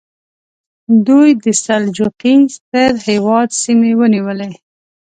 دوی د سلجوقي ستر هېواد سیمې ونیولې.